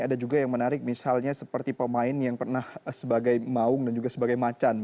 ada juga yang menarik misalnya seperti pemain yang pernah sebagai maung dan juga sebagai macan